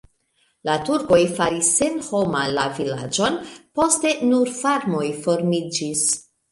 La turkoj faris senhoma la vilaĝon, poste nur farmoj formiĝis.